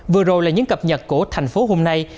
vừa rồi là những cập nhật của thành phố hôm nay